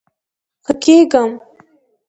ښه کیږم